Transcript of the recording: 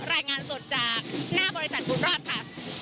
รายงานสดจากหน้าบริษัทบุญรอดค่ะ